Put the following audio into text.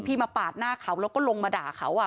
มาปาดหน้าเขาแล้วก็ลงมาด่าเขา